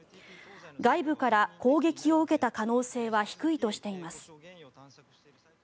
外部から攻撃を受けた可能性は低いとしています。